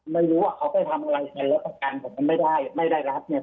ไม่รู้ว่าเขาไปทำอะไรเงินแล้วประกันผมมันไม่ได้ไม่ได้รับเนี่ย